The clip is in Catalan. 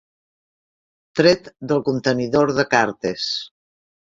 Tret del contenidor de cartes.